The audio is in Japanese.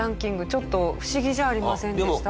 ちょっと不思議じゃありませんでした？